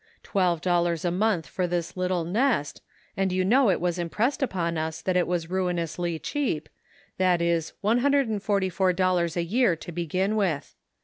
Twelve dollars a month for this little nest, and you know it was impressed upon us that it was ruinously cheap, that is one hundred and forty four dollars a year to begin with.